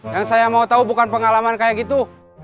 yang saya mau tahu bukan pengalaman kayak gitu